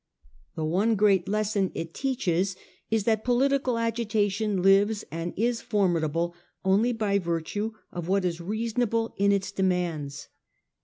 The one great lesson it teaches is, that political agitation fives and is formidable only by virtue of what is reasonable in its demands.